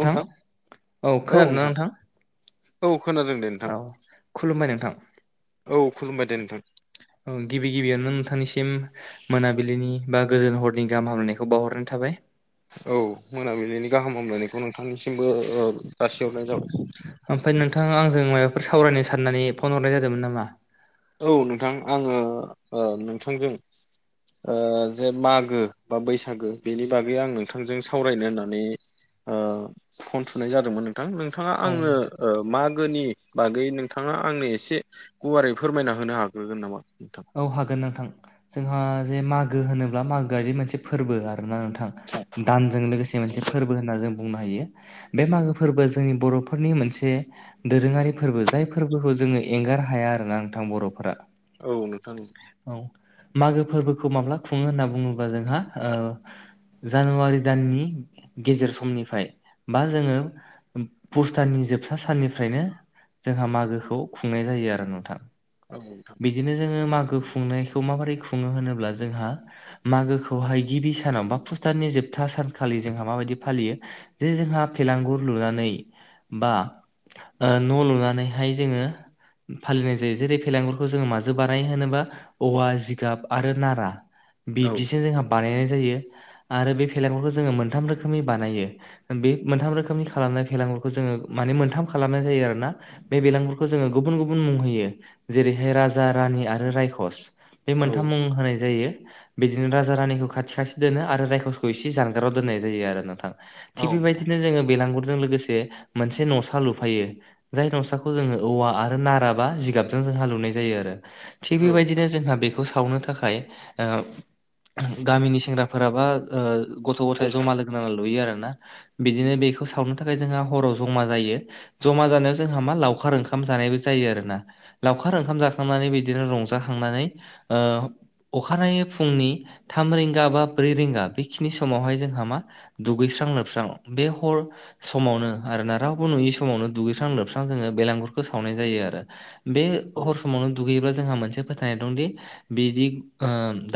औ नोंथां औ नोंथां औ खोनादों दे नोंथां औ खुलुमबाय नोंथां। औ खुलुमबाय दे नोंथां। ओं गिबि गिबियावनो नोंथांनिसिम मोनाबिलिनि बा गोजोन हरनि गाहाम हामलायनायखौ बावहरनानै थाबाय। औ मोनाबिलिनि गाहाम हामलायनायखौ नोंथांनिसिमबो ओ जासिहरनाय जाबाय। ओमफ्राय नोंथां आंजों माबाफोर सावरायनो साननानै फन हरनाय जादोंमोन नामा? औ नोंथां आङो ओ नोंथांजों ओ जे मागो बा बैसागु बेनि बागै आं नोंथांजों सावरायनो होननानै ओ फन थुनाय जादोंमोन नों थां नोंथाङा औ आंनो ओ मागोनि बागै नोंथाङा आंनो एसे गुवारै फोरमायना होनो हाग्रोगोन नामा नोंथां? औ हागोन नोंथां जोंहा जे मागो होनोब्ला मागोआदि मोनसे फोरबो आरो ना नोंथां दानजों लोगोसे मोनसे फोरबो होनना जों बुंनो हायो। बे मागो फोरबो जोंनि बर'फोरनि मोनसे दोरोङारि फोरबो जाय फोरबोखौ जोङो एंगार हाया आरोना नोंथां बर'फोरा। औ नोंथां औ। औ मागो फोरबोखौ माब्ला खुङो होनना बुङोब्ला जोंहा ओ जानुवारि दाननि गेजेर समनिफ्राय बा जोङो पुष दाननि जोबथा साननिफ्रायनो जोंहा मागोखौ खुंनाय जायो आरो नोंथां। औ नोंथां। बिदिनो जोङो मागो खुंनायखौ माबोरै खुङो होनोब्ला जोंहा मागोखौहाय गिबि सानाव बा पुष दाननि जोबथा सानखालि जोंहा माबायदि फालियो जे जोंहा फेलांगुर लुनानै बा ओ न' लुनानैहाय जोङो फालिनाय जायो जेरै फेलागुर खौ जोङो माजों बानाय होनोबा औवा जिगाब आरो नारा औ बिबदिसो जोंहा बानायनाय जायो आरो बे फेेलागुरखौ जोङो मोनथाम रोखोमनि बानायो। बे मोनथाम रोखोमनि खालामनाय फेलांगुरखौ जोङो माने मोनथाम खालामनाय जायो आरो ना। बे बेलांगुरखौ जोङो गुबुन गुबुन मुं होयो जेरै बे राजा रानि आरो रायखस बे औ मोनथाम मुं होनाय जायो। बिदिनो राजा रानिखौ खाथि खाथि दोनो आरो रायखसखौ इसे जानगाराव दोननाय जायो आरो नोंथां। थिग बेबायदिनो जोङो बेलांगुरजों लोगोसे मोनसे न'सा लुफायो जाय न'साखौ जोङो औवा आरो नाराबा जिगाबजों जोंहा लुनाय जायो आरो थिग औ बेबायदिनो जोंहा बे खौ सावनो थाखाय गामिनि सेंग्राफोरा बा ओ गथ' गथाय जमा लोगो नांनानै लुयो आरोना बिदिनो बेखौ सावनो थाखाय जोंहा हराव जमा जायो। जमा जानायाव जोंहा मा लावखार ओंखाम जानायबो जायो आरोना लावखार ओंखाम जा खांनानै बिदिनो रंजाखांनानै ओ अखानायै फुंनि थाम रिंगा बा ब्रै रिंगा बेखिनि समावहाय जोंहा मा दुगैस्रां लोबस्रां बे हर समावनो आरोना रावबो नुयि समावनो दुगैस्रां लोबस्रां जोङो बेलांगुरखौ सावनाय जायो आरो। बे औ हर समावनो दुगैयोब्ला जोंहा मोनसे फोथायनाय दं दि बिदि ओ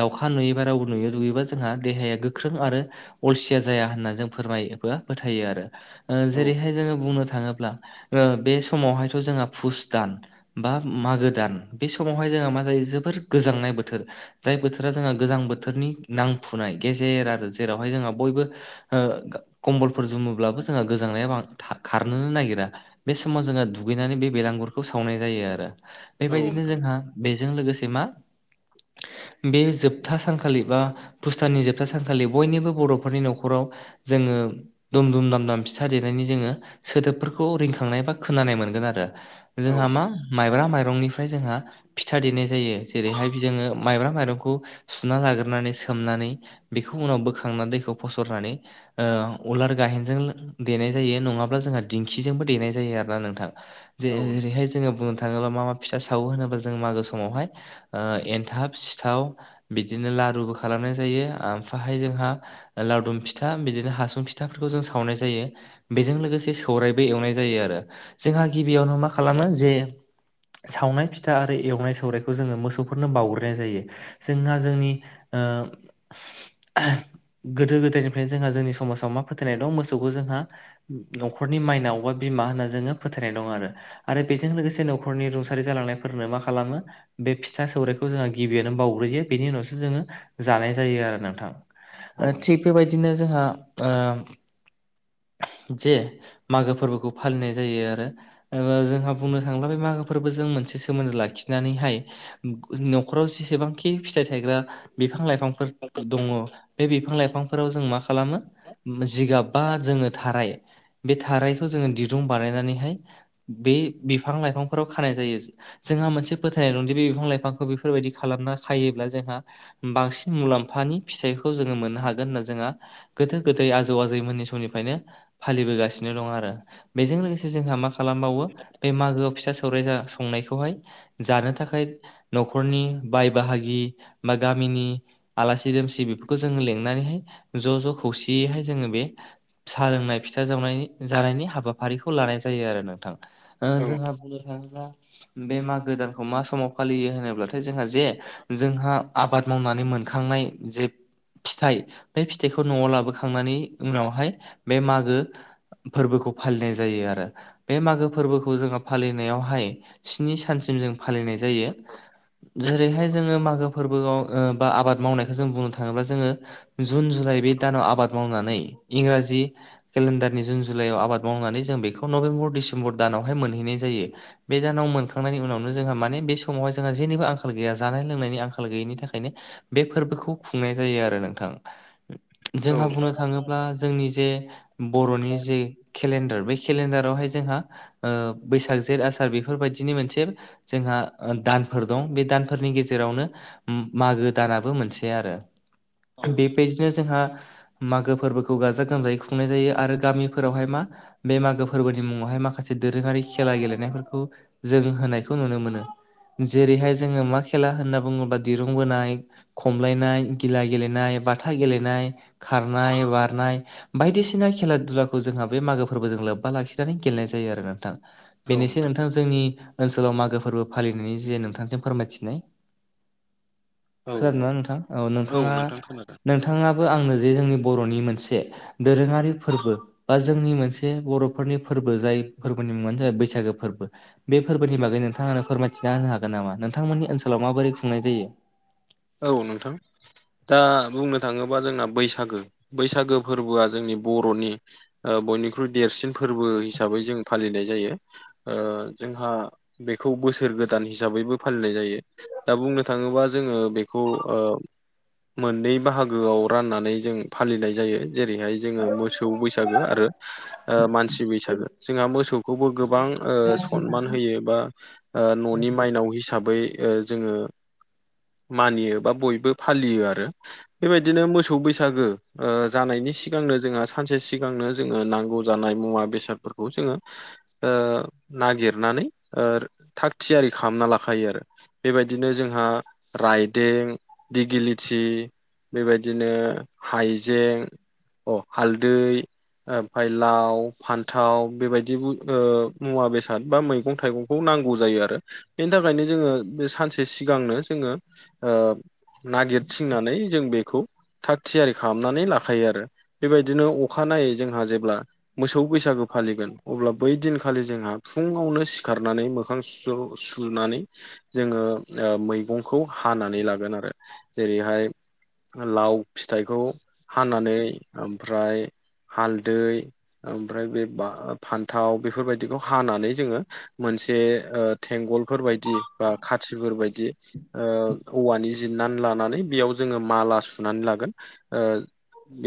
दाउखा नुयैबा रावबो नुयै दुगैयोबा जोंहा देहाया गोख्रों आरो अलसिया जाया होनना जों फोरमायो बा फोथायो आरो। ओ औ जेरैहाय जोङो बुंनो थाङोब्ला ओ बे समावहायथ' जोंहा फुस दान। बा मागो दान बे समावहाय जोंहा मा जायो जोबोर गोजांनाय बोथोर। जाय बोथोरा जोंहा गोजां बोथोरनि नांफुनाय गेजेर आरो जेरावहाय जोंहा बयबो ओ कम्बलफोर जुमोब्लाबो जोंहा गोजांनाया खारनोनो नागिरा। बे समाव जोङो दुगैनानै बे बेलांगुरखौ सावनाय जायो आरो औ बेबायदिनो नोंथां जोंहा बेजों लोगोसे मा बे जोबथा सानखालि बा फुस दाननि जोबथा सानखालि बयनिबो बर'फोरनि न'खराव जोङो। दुम दुम दाम दाम फिथा देनायनि जोङो सोदोबफोरखौ रिंखांनाय बा खोनानाय मोनगोन आरो जोंहा मा औ माइब्रा माइरंनिफ्राय जोंहा फिथा देनाय जायो जेरैहाय जोङो माइब्रा माइरंखौ सुना लाग्रोनानै सोमनानै बेखौ उनाव बोखांनानै दैखौ फसरनानै ओ उलार गाहेनजों देनाय जायो नङाब्ला जोंहा दिंखिजोंबो देनाय जायो आरोना नोंथां। औ जेरैहाय जोङो बुंनो थाङोब्ला मा मा फिथा सावो होनोब्ला जों मागो समावहाय ओ एनथाब, सिथाव बिदिनो लारुबो खालामनाय जायो ओमफ्रायहाय जोंहा लावदुम फिथा बिदिनो हासुं फिथाफोरखौ जों सावनाय जायो। बेजों लोगोसे सौरायबो एवनाय जायो आरो जोंहा गिबियावनो मा खालामो जे सावनाय फिथा आरो एवनाय सौरखौ जोङो मोसौफोरनो बावग्रोनाय जायो। जोंहा जोंनि ओ गोदो गोदायनिफ्रायनो जोंहा जोंनि समाजाव मा फोथायनाय दं मोसौखौ जोंहा न'खरनि माइनावबा बिमा होनना जोङो फोथायनाय दं आरो बेजों लोगोसे नख रुंसारि जालांनायफोरनो मा खालामो बे फिथा सौराइखौ जोंहा गिबियनो बावग्रोयो बेनि उनावसो जोङो जानाय जायो आरो नोंथां। औ थिग बेबायदिनो जोंहा ओ जे मागो फोरबोखौ फालिनाय जायो आरो। जोंहा बुंनो थांला बे मागोफोरबो जों मोनसे सोमोन्दो लाखिनानैहाय न'खराव जेसेबांखि फिथाइ थायग्रा बिफां लाइफांफोर दङ बे बिफां लाइफांफोराव जों मा खालामो जिगाब बा जोङो थाराय बे थारायखौ जोङो दिरुं बानायनानैहाय बे बिफां लाइफांफोराव खानाय जायो। जोंहा मोनसे फोथायनाय दंदि बे बिफां लाइफांखौ बेफोरबायदि खालामना खायोब्ला जोंहा बांसिन मुलाम्फानि फिथाइखौ जोङो मोननो हागोन होनना जोंहा गोदो गोदै आजौ आजौमोननि समनिफ्रायनो फालिबोगासिनो दं आरो बेजों लोगोसे जोंहा मा खालामबावो बे मागोआव फिथा सौरायसा संनायखौहाय जानो थाखाय न'खरनि बाय बाहागि बा गामिनि आलासि दुमसि बेफोरखौ जोङो लिंनानैहाय ज' ज' खौसेयैहाय जोङो बे फिसा लोंनाय फिथा जाव जानायनि हाबाफारिखौ लानाय जायो आरो नोंथां। औ जोंहा बुंनो थाङोब्ला बे मागो दानखौ मा समाव फालियो होनोब्लाथाय जोंहा जे जोंहा आबाद मावनानै मोनखांनाय जे फिथाइ बे फिथाइखौ न'आव लाबोखांनानै उनावहाय बे मागो फोरबोखौ फालिनाय जायो आरो ।बे मागो फोरबोखौ जोङो फालिनो नायावहाय स्नि साननिम जों फालिनाय जायो ।जेरैहाय जोङो मागो फोरबोआव ओ बा आबाद मावनायखौ जों बुंनो थाङोब्ला जोङो जुन जुलाइ बे दानाव आबाद मावनानै इंराजि केलेन्डारनि जुन जुलाइआव आबाद मावनानै जों बेखौ नभेम्बर डिसेम्बर दानावहाय मोनहैनाय जायो। बे दानाव मोनखांनायनि उनावनो जोंहा माने बे समावहाय जोंहा जेनिबो आंखाल गैया जानाय लोंनायनि आंखाल गैयिनि थाखाय खायनो बे फोरबोखौ खुंनाय जायो आरो नोंथां औ ।जोंहा बुंनो थाङो ब्ला जोंनि जे बर'नि जे केलेनडार बे केलेनडारावहाय जोंहा ओ बैस जेट आसार बेफोरबायदिनि मोनसे जोंहा दानफोर दं बे दानफोरनि गेजेरावनो मागो दानाबो मोनसे आरो। औ बेबायदिनो जोंहा मागो फोरबोखौ गाजा गोमजायै खुंनाय जायो आरो गामिफोरावहाय मा बे मागो फोरबोनि मुङावहाय माखासे दोरोङारि खेला गेलेनायफोरखौ जों होनायखौ नुनो मोनो। जेरैहाय जोङो मा खेला होनना बुङोब्ला दिरुंबोनाय खमलायनाय, गिला गेलेनाय, बाथा गेलेनाय, खारनाय, बारनाय बायदिसिना खेला दुलाखौ जोंहा बे मागो फोरबोजों लोब्बा लाखिनानै गेलेनाय जायो आरो नोंथां। बेनोसै नोंथां जोंनि ओनसोलाव मागो फोरबो फालिनायनि जे नोंथांजों फोरमायथिनाय खोनादों ना नोंथां औ नोंथाङा नोंथां खोनादों नोंथाङाबो आंनो जे जोंनि बर'नि मोनसे दोरोङारि फोरबो बा जोंनि मोनसे बर'फोरनि फोरबो जाय फोरबो गुबनि मुङानो जाबाय बैसागो फोरबो। बे फोरबोनि बागै नोंथाङा फोरमायथिना होनो हागोन नामा नोंथांमोननि ओनसोलाव माबोरै खुंनाय जायो? औ नोंथां। दा बुंनो थाङोबा जोंना बैसागो बैसागो फोरबोआ जोंनि बर'नि ओ बयनिख्रुइ देरसिन फोरबो हिसाबै जों फालिनाय जायो ओ जोंहा बेखौ बोसोर गोदान हिसाबैबो फालिनाय जायो दा बुंनो थाङोबा जोङो बे खौ ओ मोननै बाहागोआव राननानै जों फालिनाय जायो जेरैहाय जोङो मोसौ बैसागो आरो मानसि बैसागो जोंहा मोसौखौबो गोबां सनमान होयो बा ओ न'नि माइनाव हिसाबै जोङो मानियो बा बयबो फालियो आरो बेबायदिनो मोसौ बैसागो ओ जानायनि सिगांनो जोंहा सानसे सिगांनो जोङो नांगौ जानाय मुवा बेसादफोरखौ जोङो ओ नागिरनानै थाग थियारि खालामना लाखायो आरो बेबायदिनो जोंहा राइडें दिगिलिटि बेबायदिनो हाइजें अ हालदै ओमफाय लाव फान्थाव बेबायदिबो मुवा बेसाद बा मैगं थाइगं खौ नांगौ जायो आरो बेनि थाखायनो जोङो बे सानसे सिगांनो जोङो नागिरथिंनानै जों बेखौ थाग थियारि खालामनानै लाखायो आरो बेबायदिनो अखा नायै जोंहा जेब्ला मोसौ बैसागो फालिगोन अब्ला बै दिनखालि जोंहा फुङावनो सिखारनानै मोखां सुनानै ओ जोङो मैगं खौ हानानै लागोन आरो जेरैहाय लाव फिथाइखौ हानानै ओमफ्राय हालदै ओमफ्राय बे फान्थाव बेफोरबायदिखौ हानानै जोङो मोनसे ओ थेंगलफोर बायदि बा खाथिफोर बायदि औवानि जिरनानै लानानै बेयाव जोङो माला सुनानै लागोन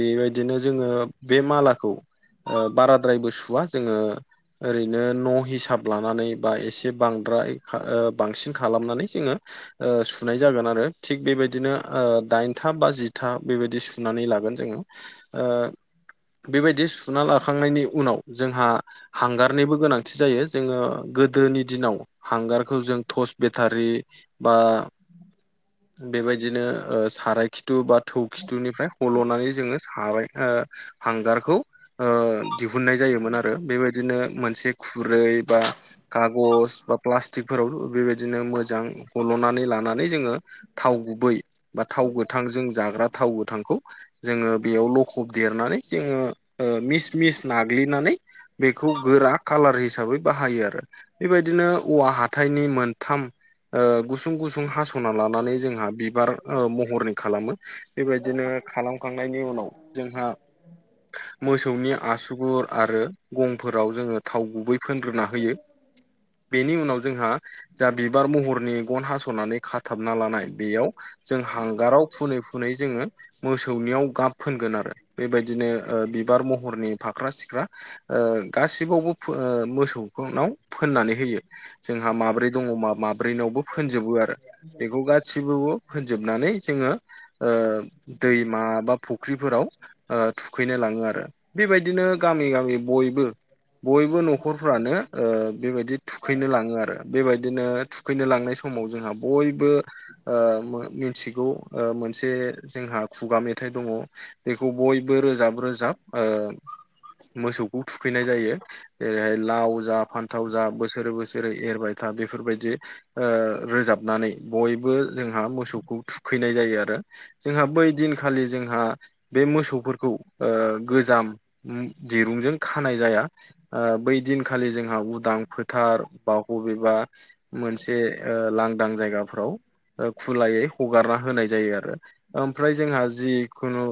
बेबायदिनो जोङो बे मालाखौ ओ बाराद्रायबो सुवा जोङो ओरैनो न' हिसाब लानानै बा एसे बांद्राय बांसिन खालामनानै जोङो सुनाय जागोन आरो थिग बेबायदिनो दाइनथा बा जिथा बेबायदि सुनानै लागोन जोङो ओ बेबायदि सुना लाखांनायनि उनाव जोंहा हांगारनिबो गोनांथि जायो जोङो गोद गोदोनि दिनाव हांगारखौ जों टर्स बेटारि ओ बेबायदिनो ओ साराय खिथु बा थौ खिथुनिफ्राय हल'नानै जोङो साबाय हांगारखौ दिहुननाय जायोमोन आरो बेबायदि बिदिनो मोनसे खुरै बा खागज बा प्लास्टिकफोरावथ' बेबायदिनो मोजां हल'नानै लानानै जोङो थाव गुबै बा थाव गोथांजों जाग्रा थाव गोथांखौ जोङो बेयाव लखब देरनानै जोङो मिस मिस नाग्लिनानै बेखौ गोरा कालार हिसाबै बाहायो आरो बेबायदिनो औवा हाथाइनि मोनथाम ओ गुसुं गुसुं हास'ना लानानै जोंहा बिबार महरनि खालामो बेबायदिनो खालामखांनायनि उनाव जोंहा मोसौनि आसुगुर आरो गंफोराव जोङो थाव गुबै फोनग्रोना होयो बेनि उनाव जोंहा जा बिबार महर मेगन हास'नानै खाथाबना लानाय बेयाव जों हांगाराव फुनै फुनै जोङो मोसौनियाव गाब फोनगोन आरो बेबायदिनो बिबार महरनि फाख्रा सिख्रा ओ गासिबावबो ओ मोसौ नाव फोननानै होयो जोंहा माब्रै दङ मा बयनावबो फोनजोबो आरो बेखौ गासिबो होनजोबनानै जोङो दैमा बा फुख्रिफोराव ओ थुखैनो लाङो आरो बेबायदिनो गामि गामि बयबो बयबो न'खरफ्रानो ओ बेबायदि थुखैनो लाङो आरो बेबायदिनो थुखैनो लांनाय समाव जोंहा बयबो ओ मिथिगौ मोनसे जोंहा खुगा मेथाइ दङ बेखौ बयबो रोजाब रोजाब मोसौखौ थुखैनाय जायो जेरैहाय लाव जा फान्थाव जा बोसोरै बोसोरै एरबाय था बेफोरबायदि ओ रोजाबनानै बयबो जोंहा मोसौखौ थुखैनाय जायो आरो जोंहा बै दिनखालि जोंहा बे मोसौफोरखौ गोजाम दिरुंजों खानाय जाया बै दिनखालि जोंहा उदां फोथार बा बबेबा मोनसे लांदां जायगाफोराव खुलायै हगारना होनाय जायो आरो ओमफ्राय जोंहा जिखुनु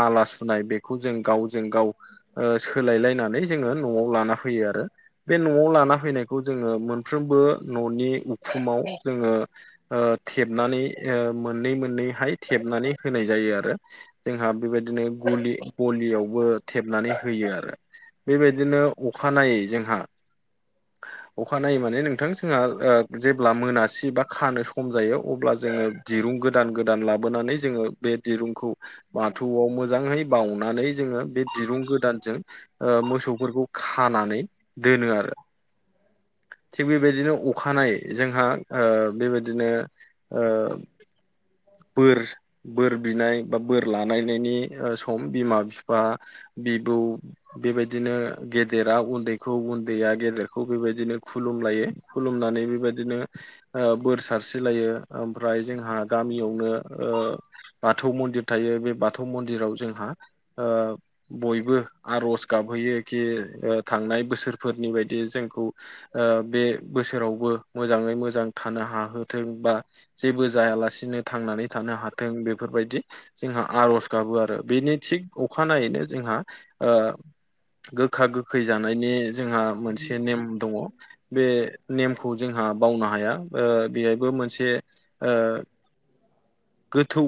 माला सुनाय बेखौ जों गावजों गाव सोलायलायनानै जोङो न'आव लाना होयो आरो बे न'आव लाना फैनायखौ जोङो मोनफ्रोमबो न'नि उखुमाव जोङो थेबनानै मोननै मोननैहाय थेबनानै होनाय जायो आरो जोंहा बेबायदिनो गलियावबो थेबनानै होयो आरो बेबायदिनो अखा नायै जोंहा अखानायनायै माने नोंथां जोंहा जेब्ला मोनासि बा खानो सम जायो अब्ला जोङो दिरुं गोदान गोदान लाबोनानै जोङो बे दिरुंखौ बाथौआव मोजाङै बावउनानै जोङो बे दिरुं गोदानजों मोसौफोरखौ खानानै दोनो आरो थिग बेबायदिनो अखानाय जोंहा बेबायदिनो ओ बोर बोर बिनाय बा बोर लानायनायनि सम बिमा बिफा बिबौ बेबायदिनो गेदेरा उन्दैखौ उन्दैया गेदेरखौ खुलुमनानै बेबायदिनो बोर सारस्रिलायो ओमफ्राय जोंहा गामियावनो बाथौ मन्दिर थायो बे बाथौ मन्दिराव जोंहा ओ बयबो आर'ज गाबहैयो कि थांनाय बोसोरफोरनि बायदि जोंखौ बे बोसोरावबो मोजाङै मोजां थानो हाहोथों बा जेबो जायालासिनो थांनानै थानो हाथों बेफोरबायदि जोंहा आर'ज गाबो आरो बेनि थिग अखानायैनो जोंहा ओ गोखा गोखै जानायनि जोंहा मोनसे नेम दङ बे नेमखौ जोंहा बावनो हाया ओ बेहायबो मोनसे ओ गोथौ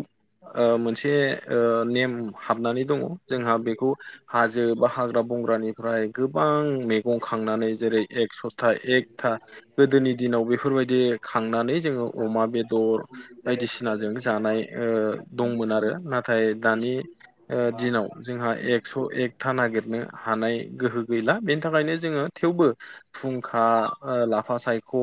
ओ मोनसे ओ नेम हाबनानै दङ जोंहा बेखौ हाजो बा हाग्रा बंग्रानिफ्राय गोबां मैगं खांनानै जेरै एक स'था एकथा गोदोनि दिनाव बेफोरबायदि खांनानै जोङो अमा बेदर बायदिसिनाजों जानाय दंमोन आरो नाथाय दानि दिनाव जोंहा एकस' एकथा नागिरनो हानाय गोहो गैला बेनि थाखायनो जोङो थेवबो फुंखा लाफा सायख'